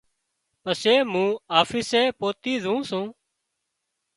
پسي مُون آفيسي پوتِي زُون سُون۔